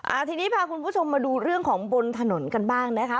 ทีนี้พาคุณผู้ชมมาดูเรื่องของบนถนนกันบ้างนะคะ